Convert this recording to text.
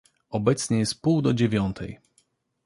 "Obecnie jest pół do dziewiątej."